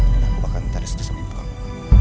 dan aku akan taruh setusun ibu kamu